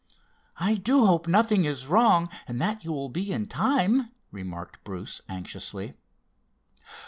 "I do hope nothing is wrong, and that you will be in time," remarked Bruce anxiously.